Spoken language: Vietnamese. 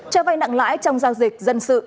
trong vai nặng lãi trong giao dịch dân sự